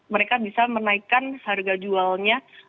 mereka bisa menaikkan harga jualnya